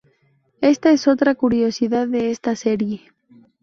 Esta es otra curiosidad de esta serie.